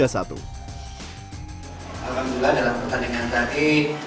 alhamdulillah dalam pertandingan tadi